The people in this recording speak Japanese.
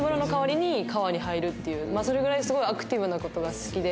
それぐらいすごいアクティブな事が好きで。